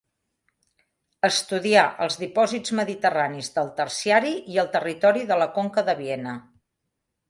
Estudià els dipòsits mediterranis del Terciari i el territori de la Conca de Viena.